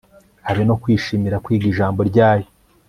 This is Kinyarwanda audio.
habe no kwishimira kwiga ijambo ryayo